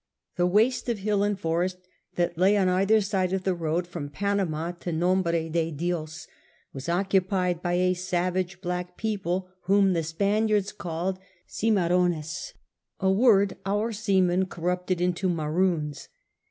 The waste of hill and forest that lay on either side of the road from Panama to Nombre de Dios was occupied by a savage black people whom the Spaniards called Cimarrones^ a word our seamen corrupted into Maroons.